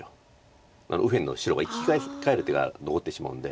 右辺の白が生き返る手が残ってしまうんで。